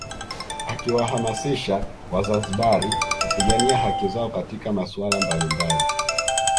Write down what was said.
Akiwahamasisha wazanzibari kupigania haki zao katika masuala mbalimbali